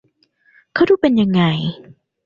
เขาดูเป็นยังไง